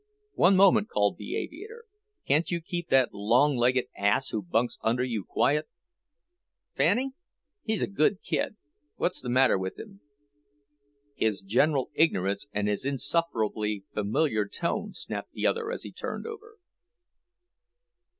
"One moment," called the aviator. "Can't you keep that long legged ass who bunks under you quiet?" "Fanning? He's a good kid. What's the matter with him?" "His general ignorance and his insufferably familiar tone," snapped the other as he turned over.